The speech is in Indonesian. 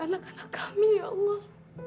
anak anak kami ya allah